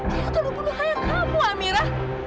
dia tuh lupa lupa kayak kamu amira